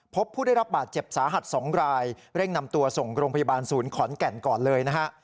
พบผู้ได้รับบาดเจ็บสาหัส๒รายเร่งนำตัวส่งโรงพยาบาลศูนย์ขอนแก่นก่อนเลยนะฮะ